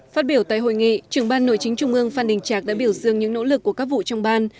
phát biểu tại hội nghị trưởng ban nội chính trung ương phan đình trạc đã biểu dương những nỗ lực của các vụ trong ban